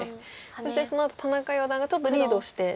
そしてそのあと田中四段がちょっとリードして。